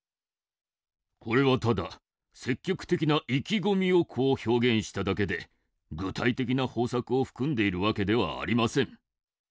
これはただ積極的な意気込みをこう表現しただけで具体的な方策を含んでいる訳ではありません。